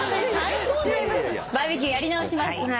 バーベキューやり直します。